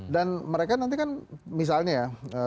dan mereka nanti kan misalnya ya